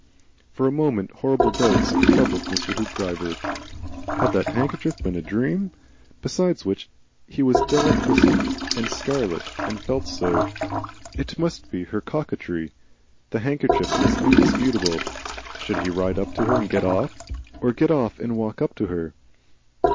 For a moment horrible doubts troubled Mr. Hoopdriver. Had that handkerchief been a dream? Besides which he was deliquescent and scarlet, and felt so. It must be her coquetry the handkerchief was indisputable. Should he ride up to her and get off, or get off and ride up to her?